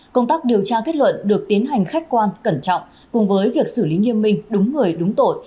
công tác điều tra kết luận được tiến hành khách quan cẩn trọng cùng với việc xử lý nghiêm minh đúng người đúng tội